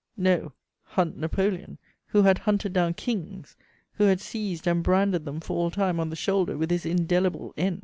No: "hunt" Napoleon, who had "hunted down" kings, who had seized and branded them for all time on the shoulder with his indelible "N"!